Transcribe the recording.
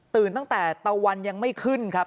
ตั้งแต่ตะวันยังไม่ขึ้นครับ